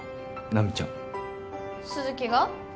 奈未ちゃん鈴木が？